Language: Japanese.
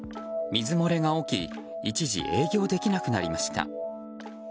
水漏れが起き一時、営業できなくなりました。